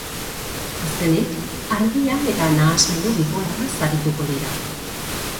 Azkenik, argia eta nahasmendu bipolarraz arituko dira.